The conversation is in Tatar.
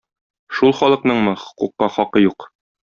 Шул халыкныңмы хокукка хакы юк?